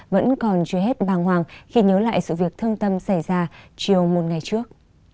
vẫn còn chưa hết bàng hoàng khi nhớ lại sự việc thương tâm xảy ra chiều một ngày trước